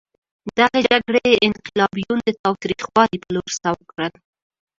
دغې جګړې انقلابیون د تاوتریخوالي په لور سوق کړل.